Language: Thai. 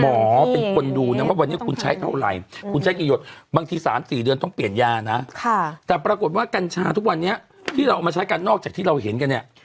หมอเป็นคนดูนะว่าวันนี้คุณใช้เท่าไหร่คุณใช้กี่หยดบางที๓๔เดือนต้องเปลี่ยนยานะแต่ปรากฏว่ากัญชาทุกวันนี้ที่เราเอามาใช้กันนอกจากที่เราเห็นกันเนี่ย